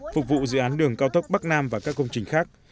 phục vụ dự án đường cao tốc bắc nam và các công trình khác